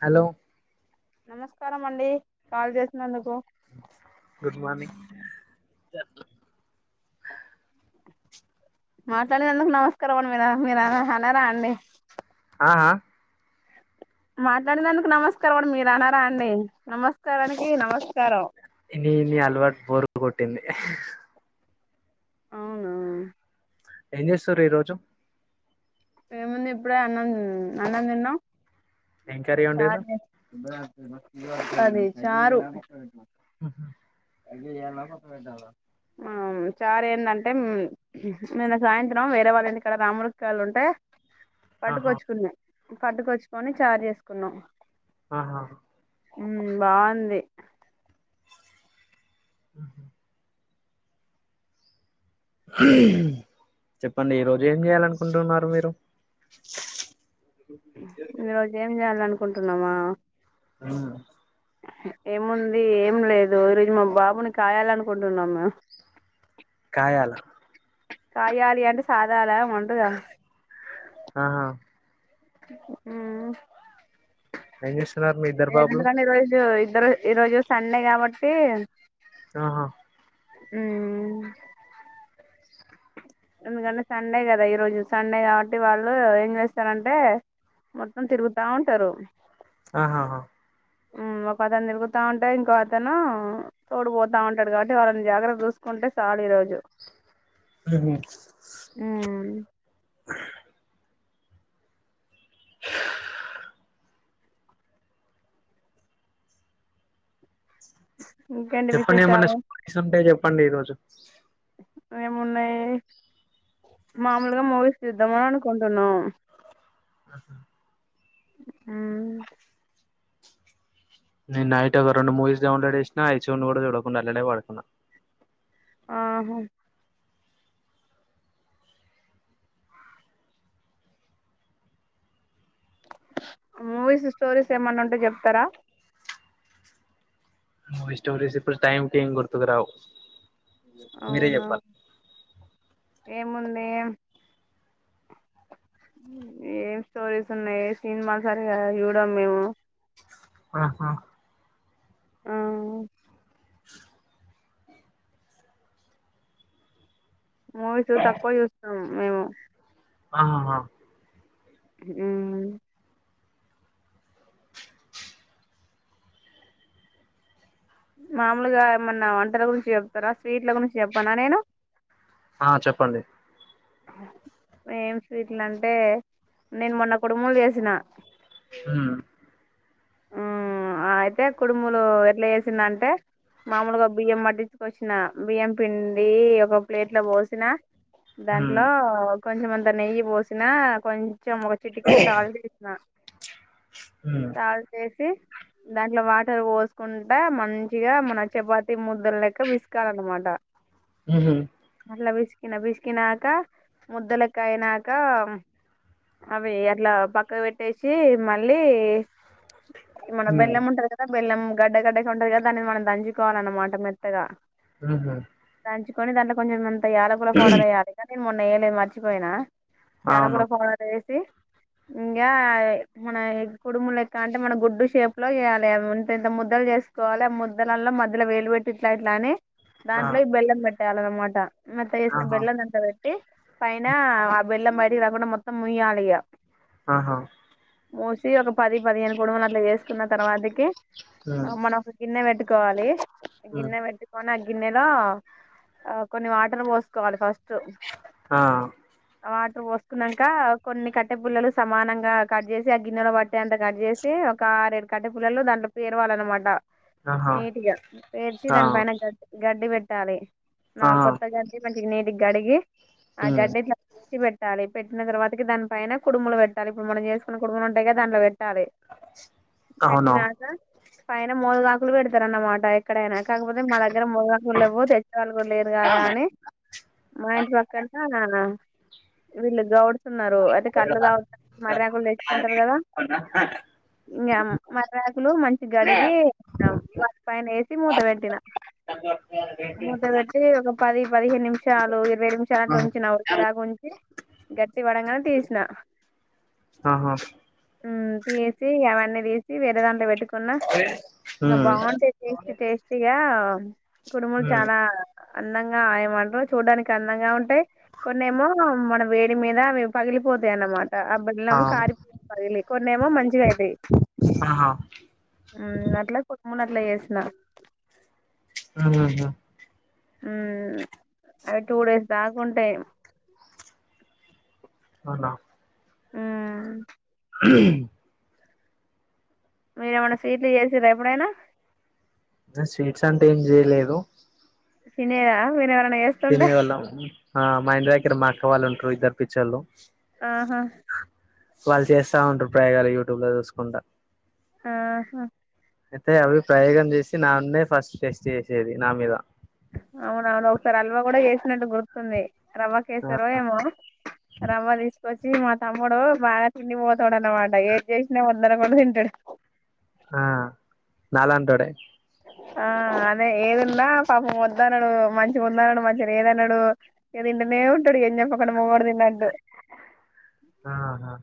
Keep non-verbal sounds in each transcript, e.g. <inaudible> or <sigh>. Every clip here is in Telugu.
హలో నమస్కారం అండి కాల్ చేసినందుకు గుడ్ మార్నింగ్ మాట్లాడినందుకు నమస్కారం అండి మీ మీరా అన్నారా అండి ఆహా మాట్లాడినాందుకు నమస్కారం అ మీరు అన్నారా అండి నమస్కారానికి నమస్ ఇ ఇ అల్వర్ట్ బోర్ కొట్టింది అవునావు అ శూ ర రోజు ఏముంది ఇప్పుడే అన్నం అన్నిన్నా ఏం కర్రీ చ వండిర్రు అది చారు ఆహ చార్ ఏంటంటే నిన్న సాయంత్రం వేరే వాళ్ళు ఏంటి ఇక్కడ రాములకియళ్ళు ఉంటే ఆహా పట్టుకొచ్చుకున్నా పట్టుకొచ్చుకొని చార్ చేసుకున్నాం ఆహా బాగుంది ఆహా చెప్పండి ఈరోజు ఏం చేయాలనుకుంటున్నారు మీరు ఈ రోజు ఏం చేయాలనుకో కుంటన్నావా ఆ ఏముంది ఏం లేదు ఈరోజు మా బాబుని కాయాలనుకుంటున్నాముే అల కాయాలింటే సాధ అాల ఉడుగా ఆహా ఆ ఏం చేస్తున్నారు మీ ఇద్దరు ఏదంత బాబులు గనీ ఇ ఇ ఇద్దరు ఈ రోజు సండే కాబట్టి ఆహా అ ఎందుకంటే సండే కదా ఈ రోజు సండే కాబట్టి వాళ్ళు ఏం చేస్తారంటే మొత్తం తిరుగుతా ఉంటారు ఆహాహా ఒక అతను తిరుగుతా ఉంటాయి ఇంకో అతను తోడుపోతా ఉంటాడు కాబట్టి వాళ్ళని జాగ్రత్త చూసుకుంటే చాలు ఈ రోజు హహ ఇంకేంటి చెప్పండి ఎమన్నా విశేషాలు సోర్స్ ఉంటే చెప్ పండి ఈ రోజు ఏమున్నాయి మామూలుగా మూవీస్ చూద్దామా అనుకుంటున్నాం అహా హు నేను నైట్ ఒక రెండు మూవీస్ డౌన్లోడ్ చేసినా అయి చూన్ కూడా చూడకుండా అట్లనే పడుకున్న ఆహా మూవీస్ స్టోరీస్ ఏమన్నా ఉంటే చెప్తారా మూవీస్ స్టోరీస్ ఇప్పుడు టైం కి ఏం గుర్తుకురావు మీరే అవునా చెప్పాలి ఏముంది ఏం స్టోరీస్ ఉన్నాయి సినిమా సరిగా చూడం మేము ఆహా ఆ మూవీసు తక్కువ చూస్తాం మేము ఆ హ హా హ్ం మామూలుగా ఏమన్న వంటల గురించి చెప్తారా స్వీట్ల గురించి చెప్పానా నేను ఆ చెప్పండి ఏం స్వీట్లంటే నేను మొన్న కుడుములు చేసిన హ్మ్ ఆ అయితే కుడుములు ఎట్లా చేేసింన్నంటే మాముూలుగా బియ్యం పట్టి పోషిన బియ్యం పిండి ఒక ప్లేట్ల పోసిన హ్మ్ దాంట్లో కొంచం అంత నెయ్యి పోసిన కొం చం ఒక చిటికెడు సాల్ట్ వేసిన హ్మ్ సాల్ సి దాంట్లో వాటర్ పోసుకుంట మంచిగా మన చపాతీ ముద్దలు లెక్క పిసుకాలి అన్నమాట ఊహు అట్లా పిసికినా పిసికినాక ముద్దలెక్క అయినాక అవి అట్లా పక్క పెట్టేసి మళ్ళీ మన హ్మ్. బెల్లం ఉంటాది కదా బెల్లం గడ్డ గడ్డకే ఉంటంది కని దాన్ని మనం దంచుకోవాలన్నమాట మెత్తగా ఆహా దంచుకొని దాంట్ల కొంచం త యాలకుల పౌడర్ ఎయ్యాలే మొన్న ఎయ్యాలే మర్చిపోయినా అవును. యాలకుల పౌడర్ ఏసీ ఇంగ మన కుడుములు లెకాంట్ టే మన గుడ్డు షేప్ లో చేయాలి ఇంతింత ముద్దలు చేసుకోవాలి ఆ ముద్దలలో మధ్యలో వేలు పెట్టి ఇట్లా ఇట్లా అని ఆ! దాంట్లో ఈ బెల్లం పెట్ యాలన్నమాట ఏమంత చేస్తం ఆహా! బెల్లం అంతా ఈ పైన ఆ బెల్లం బయటకి రాకుండా మొత్తం ముయ్యాలిగా ఆహా మొసి ఒక పది పదిహేను కుడుములు అట్లా వేసుకున్న తర్వాతకి హ్మ్. అమ్మ నాకు తిన్న వెంట్ కాాలి హ్మ్. గిన్న వంటి కొన గిన్నెలో ఆ కొన్ని వాటర్ పోసుకోవాలి ఫస్ట్ ఆ వాటర్ పోసుకున్నాక కొన్ని కట్టె పుల్లలు సమానంగా కట్ చేసి ఆ గిన్నెలో పట్టే అంత కట్ చేసి ఒక ఆరు ఏడు కట్టే పుల్లలు దాంట్లో పేరువాలన్నమాట ఆహా! నీటిగా పేర్చి ఆ! దాని పైన గడ్ గడ్డి పెట్టి ట్టాాలే నా ఆ! నాకొక్క దానికి ఫ్రెండ్ ఇది నీటిగా కడిగి ఆ హ్మ్. గడ్డ పెట్టాలి పెట్టిన తర్వాతకి దానిపైన కుడుములు పెట్టాలి ఇప్పుడు మనం చేసుకున్న కుడుములు ఉంటాయిగా దాంట్లో పెట్టాలి అవును. పెట్టినాక పైన మూడు కాకులు పెడతారున్నమాట ఎక్కడైనా కాకపోతే మన ఇక ముందు లెవ్వు తెచ్చే వాళ్లు కూడా లేరు ఆ! కదా ఆహా! అని మా హ్మ్. ఇంటి పక్కన ఎమ్మెల్యే గౌడ్ న్నారు అయితే కల్లు తాగే మర్రి ఆకులు తెచ్చుకుంటారు కదా ఇంకా మర్రి ఆకులు మంచిగ గడిగి వాటి పైన వేసి మూత పెట్టినా మూత పెట్టి ఒక పది పదిహేను నిమిషాలు ఇరవై నిమిషాలు అట్లా ఉంచిన ఉడికేదాకా ఉంచి గట్టి పడంగానే తీసిన ఆహ మ్ తీ సి అవన్నీ తీసి వేరే దాంట్లో పెట్టుకున్నా న్నా ఇంకా బాగుంటే టేస్టీ టేస్టీగా కుడుములు హ్మ్. చాలా అందంగా ఏమంటారు చూడడానికి అందంగా ఉంటాయి కొన్నేమో మన వేడి మీద పగిలిపోతాయి అన్నమాట ఆ బెల్లం అవును. కారిపోతాయి కొన్నేమో అ ఆహా! మూనాట్ల ఏసిన ఆ ఉ అవి టూ డేస్ దాకా ఉంటాయి అవునా ఆ ఆ మీరేమైన్నా స్వీట్లు చేసార ఎప్పుడైనా స్వీట్స్ అంటే ఏం చేయలేదు శినేరా వివర సినిినేవల ఆ మా ఇంటి దగ్డ మాక్క వాళ్ళు ఉంట్రారు ఇద్దరు పిచ్చర్లు ఆహా వాళ్ళు చేస్తా ఉంటారు ప్రయోగాలు యూట్యూబ్ లో చూసుకుంటా ఆహా అయితే అవి ప్రయోగం చేసి నాన్నే ఫస్ట్ టెస్ట్ చేసేది నా మీద అవున అవును ఒకసారి అల్వా కూడా చేసినట్టు గుర్తుంది రవ్వ కేసారు ఏమో రవ్వ తీసుకొచ్చ మా తమ్ముడు బాగా తిండిపోతాడు అనమాట ఏది చేసినా వందరు కూడా తింటాడు ఆ నాలాంటోడ ఆ అదే ఏది ఉన్నా పాపం వద్దా అనడు మంచిగా ఉంద అన్నాడు మంచిగా లేదన్నాడు ఏ తింటనే ఉంటాడు ఎం చెప్పక్క ముగ్గరు తిన్న అంటటు ఆహా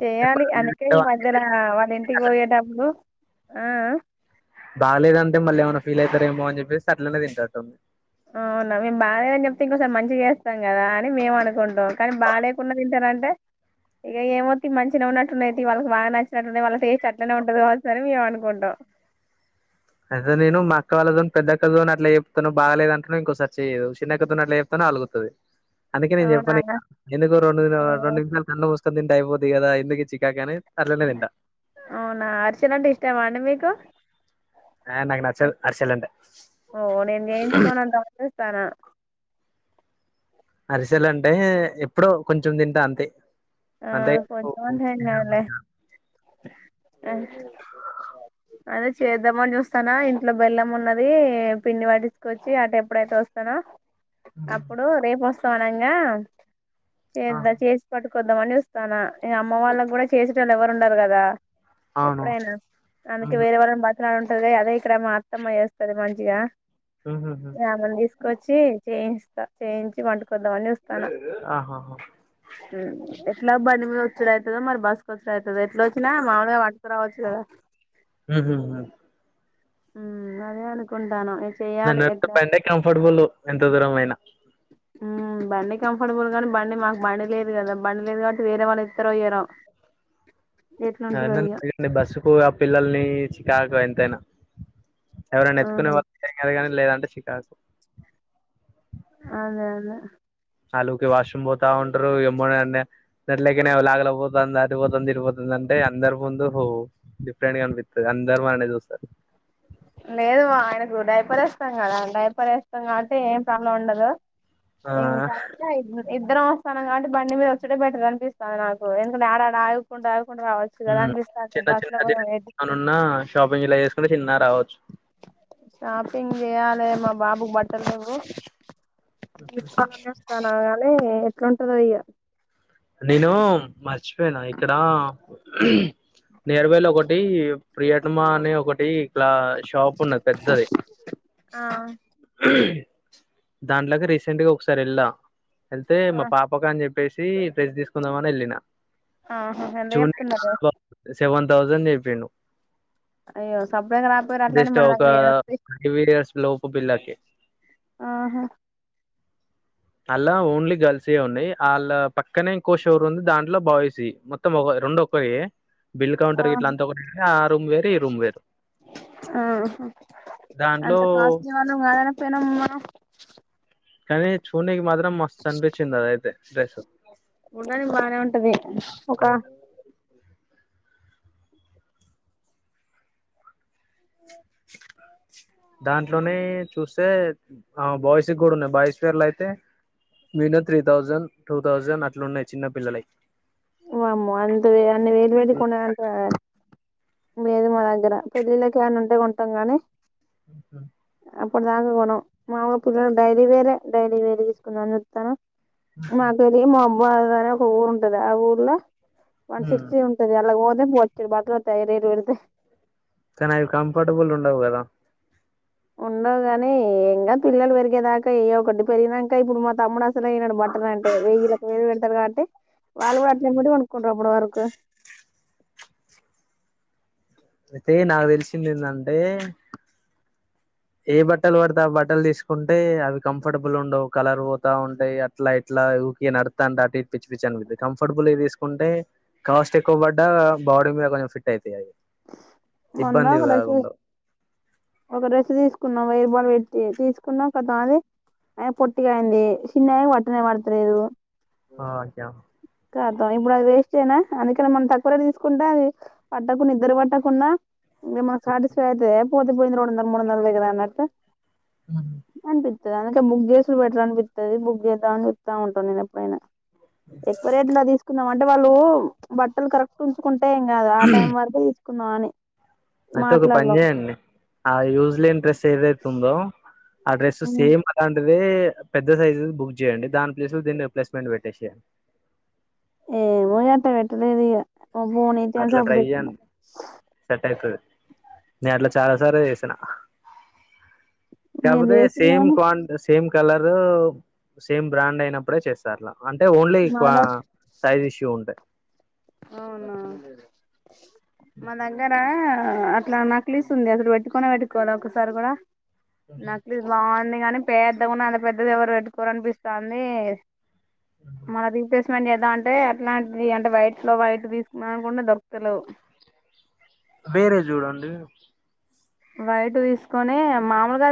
చేయాలి అందుకే ఈ మధ్యలో వాళ్ళ ఇంటికి పోయే డబ్బులు ఆ బాలేదంటే మళ్ళీ ఏమైనా ఫీల్ అవుతారేమో అని చెప్పేసి అట్లనే తంటారుంది అవునా మేము బాగాలేదని చెప్తే ఇంకోసారి మంచిగా చేస్తాం కదా అని మేము అనుకుంటాం కానీ బాగాలేకుండా తింటారంటే ఇక ఏమవుతి మంచిగా ఉన్నట్టుండయి వాళ్ళకి బాగా నచ్చినట్టుండ వాళ్ళ టేస్ట్ ఎట్లనే ఉంటది కాస అని మేము అనుకుంటాం అదతే నేను మా అక్క వాళ్ళతోని పెద్దక్కతోోని అట్లా చెప్తాను బాగలేదు అంటున్నా ఇంకో సర్చ్ చేయదు చిన్నక్కతోని అట్లా చెప్తానో అలుగుతుంది అందుకే నేను అవునా చెప్పను ఎందుకు రెండు రెండు ఓ. నిమిషాలు క చ దంట్ అయిపోోద్దిద ఎందుకు చికాకనే అవునా అర్చన అంటే ఇష్టమా అండి మీకు ఆ నాకు నచ్చల్ అలంట తన అరిసెల్ అంటే ఎప్పుడుో కొంచెం తింటా అంతే ఆ అంతే కొంచమంన్నాాల అదే చేద్దామ అని చూస్తానా ఇంట్లో బెల్లం ఉన్నది పిండి వాటిసుకొచ్చి అట ఎప్పుడైతే వస్తానా అప్పుడు రేపు వస్త పోోనాంగా చేందా చేసి పటు కొద్ంతమంది వస్తానా ఇక అమ్మ వాళ్ళకి కూడా చేసేటళ్ళు ఎవరు ఉండరు కదా అవును ఎప్పుడైనా అనక మ్మ్. వేరే వాళ్ళం బ అట్లా ఉంటది అదే ఇక్కడ మా అత్తమ్మ చేస్తది మంచిగా మ్మ్. రాగులు తీసుకొచ్చి చేయిస్త చేయించి వండు ఆహాహా హుమ్మ్ ఎట్లా బండి మీద వచ్చుడనీ ద మరి బస్ వచ్చుడవుతది ఎట్లోచ్చినా మాగై పట్టుకురావచ్చు కదా మ్మ్. అదే అనుకుంట్టన్న నన్నడిగితే బండె కంఫర్టబుల్ ఎంత దూరం అయినా హుమ్మ్ బండి కంఫర్టబుల్ గానీ బండి మాకు బండి లేదు కదా బండి లేదు కాబట్టి వేరే వాళ్ళు ఇతర్రో ఇయ్యారో నన్ను నాన్ బస్సుకు ఆ పిల్లలని చికాకు ఎంతైనా ఎవరైనా ఆ ఎత్తుకునే వాళ్ళు ఉంటే ఏం కాదు గానీ లేదంటే చిక్ చికాకు అదే అదే ఆలు ఊకె వాష్రూమ్ పోతా ఉంటారు ఏమో అండి ఎట్లకేనా లాగుల పోత్ పోతుంది అటుపోతుంది తటుపోతుంది అంటే అందరు ముందు హో డిఫరెంట్ గా అనిపిస్తది అందరు మనల్నే చూస్తారు లేదు మా ఆయనకు డైపర్ వేస్తాం కదా డైపర్ వేస్తాం కాబట్టి ఏం ప్రాబ్లం ఉండదు ఆ ఇంకా ఇ ఇద్దరు ఎస్తాం కడ కాబట్టి బండి మీద వచ్చుడే బెటర్ అనిపిస్తాది నాకు ఎందుకంటే ఆడాడ అగుకుంట అగుకుంట హుమ్మ్ చిన్న చిన్న ఏమైనా ఉన్నా షాపింగ్ ఇలా చేసుకుని షాపింగ్ చేయాలి మాబాబ్ బాబుకి బట్ <unintelligible> తెస్తాను కానీ అట్లుంటదయ్య నేను మా మాచు అంతేనా ఇక్కడ ఆపు ఉహుమ్ నేర్వైల్ ఒకటి ప్రియతమా అనే ఒకటి ఇట్లా షాప్ ఉన్నది పెద్దది ఆ ఉమ్మ్ దాంట్లకి రీసెంట్ గా ఒకసారి వేళ్ళా వెళ్తే ఆ మా పాపకుఅని చెప్పి ప్పేసి ప్రైస్ తీసుకుందామని వెళ్ళిన ఆహా మళ్ళీ ఏం జూనియర్ తిన్నారు సెవెన్ తౌసండ్ జెప్పిన్ను అయ్యో సప్పుడేక రాపోయారు అట్లాంటి జస్ట్ మన ఒక దగ్గర ఏడొస్తాయి ఫైవ్ ఇయర్స్ లోపు పిల్లకి ఆహా అల్లా ఓన్లీ గర్ల్స్ యే ఉన్నాయ్ వాళ్ళ పక్కనే ఇంకో షోర్ ఉంది దాంట్లో బాయ్స్వి మొత్తం ఒక రెండు ఒక్కరియే బిల్ కౌంటర్ ఇట్లా ఆహా అంతా ఒకటి ఆ రూమ్ వేరు ఈ రూమ్ వేరు దాంట్లో అంత కాస్ట్లీ వాళ్ళం కాదనిపోయినాం మనం కానీ చూడ్నికి మాత్రం మస్తు అనిపించింది అదైతే స్రురేష ఉండనీకి బానే ఉంటది ఒక దాంట్లోనే చూస్తే హా బాయ్స్ కి కూడా ఉన్నాయి బాయ్స్ చీర్లయితే minimum three thousand two thousand అట్లున్నాయి చిన్న పిల్లలకి వామ్మో అంత అన్ని వేలువేలు కొనాలంటే లేదు మా దగ్గర పెళ్ళిళ్ళకి ఏమనా ఉంటే కొంటాం గానీ, హ్మ్ అప్పుడ్ ప్రతిదానికి కొన్నాం మాములు పిల్లలు డైలీ వేరే డైలీ వేరే తీసుకుందాం అని చూతాను. మాగరి మామ్ వాళ్ దగ్గర ఒక్కరుంటాది. రావూర్ల వన్ సిక్స్టీ ఉంటది అలాగ్తే బోచ్చాడు బట్టలు వా పై రేటు వరకు కనీ అవి కంఫర్టబుల్ ఉండవు కదా, ఉండవు గాని ఇంకా పిల్లలు పెరిగేదాకా ఏయో ఒకటి పెరిగినక ఇప్పుడు మా తమ్ముడు అస్ చిన్నగాయ్నాడు బట్ట అంటే వెయ్యిలకు వేలు పెడతాడు కాబట్టి వాళ్ళు బట్టలు ఎప్పుడు కొనుక్కుంటారు అప్పుడు వరకు అయితే నాకు తెలిసింది ఏంటంటే ఏ బట్టలు పడితే ఆ బట్టలు తీసుకుంటే అవి కంఫర్టబుల్ ఉండవు కలర్ పోతా ఉంటాయి అట్లా ఇట్లా <unintelligible> నడుస్తా అంటే అటు ఇటు పిచ్చి పిచ్చి అనిపిస్తది కంఫర్టబుల్ గా తీసుకుంటే కాస్ట్ ఎక్కువ పడ్డా బాడీ మీద కొంచెం ఫిట్ అయితాయి అవి మౌన ఇబ్బంది ఒక్క <unintelligible> కాకుండా ఒక్క డ్రెస్ తీసుకున్నాం వయ రూపాయిలు పెట్ తీసుకున్నాం కానీ <unintelligible> పొట్టిగా అయింది చిన్నయ పట్టనే పట్టలేదు ఆ <unintelligible> ఇప్పుడు అది వేస్ట్ అయినా అందుకని మనం తక్కువ రేట్ తీసుకుంటా అది పట్టకుండా నిద్ర పట్టకుండా <unintelligible> మాకు సాటిస్ఫై అయిదతే పోతే పోయింది రెడుందల మూడు వందలలు వైకు అన్నట్టు అంటే అందుకే బుక్ చేసు బెటర్ అనిపిస్తుంది బుక్ చేద్దామని అని చెప్తా ఉంటా నేను ఎప్పుడైనా నేను ఎప్పుడైనా ఎక్కువ రేట్ లో తీసుకుందాం అంటే వాళ్ళు బట్టలు కరెక్ట్ ఉంచుకు టై కాదు ఆ టైం వరకు కున్నాని అయితే ఒక పని చేయండి ఆ యూజ్ లేని డ్రెస్ ఏదైతు ఉందో ఆ డ్రెస్ సేమ్ అదంండీ పెద్ద సైజ్ బుక్ చేయండి దాని ప్లే దీన్ని రిప్లేస్మెంట్ పెట్టేసయం ఏ మూగాట వీటలే ఎదిగా బోనీతేం అట్లా సప్పుడతున్నా నే అట్లా చాలా సార్ే వేసిన మీరు చబ చేసిర్రు సమ్ గాని సమ్ కలరు సేమ్ బ్రాండ్ అయినప్పుడే చేస్తారులా అంటే ఓన్లీ మా సైజ్ ఇష్యూ ఉంటాయి అవునా మా దగ్గరా అట్లా నకిలీస్ ఉంది అసలు పెట్టుకుని పెట్టుకోవాలి ఒకసారి కూడా నక్లీ బ అంది గాని పేద్ద కూడాండా అంత పెద్దది కూడ ఎవరు పెట్టుకోరు అనిపిస్తుంది మాదితే ఎదా అంటే ఎట్లాంటిది అంటే వైట్ ట్ లో బయట తీసుకున్నా అనుకుంే దొక్కలు వేరే చూడండి వైట్ తీసుకుొని మాముూలుగా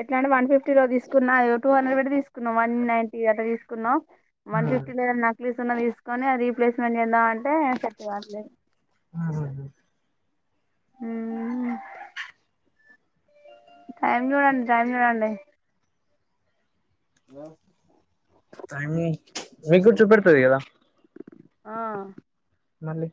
ఎట్లా అంటే వన్ ఫిఫ్టీలో తీసుకున్నా టూ హండ్రెడ్ పెట్టి తీసుకున్నాం వన్ నైటీ అట్లా తీసుకున్నాం వన్ మ్మ్ ఫిఫ్టీ నక్ న్న తీసుకొని అది రీప్లేస్మెంట్ చేద్దాం అంటే సెట్ కావట్లేదు ఆా హ టైం చూడండి టైం చూడండి ఆ టై మీకుచ పడుతుది అదా ఆ మళ